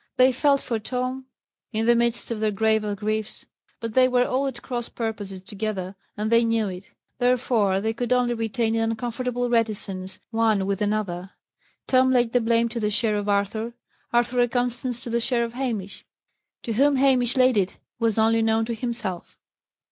They felt for Tom, in the midst of their graver griefs; but they were all at cross purposes together, and they knew it; therefore they could only retain an uncomfortable reticence one with another. Tom laid the blame to the share of Arthur; Arthur and Constance to the share of Hamish. To whom Hamish laid it, was only known to himself.